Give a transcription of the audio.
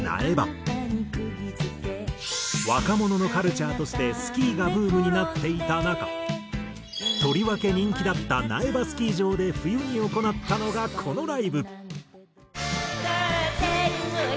若者のカルチャーとしてスキーがブームになっていた中とりわけ人気だった苗場スキー場で冬に行ったのがこのライブ。